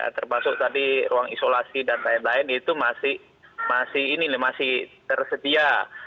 termasuk tadi ruang isolasi dan lain lain itu masih tersedia